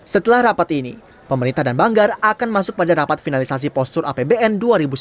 setelah rapat ini pemerintah dan banggar akan masuk pada rapat finalisasi postur apbn dua ribu sembilan belas